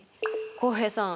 浩平さん